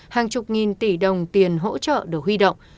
hàng chục nghìn tỷ đồng tiền hỗ trợ được huy động